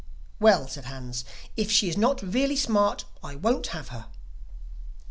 'Well,' said Hans, 'if she is not really smart, I won't have her.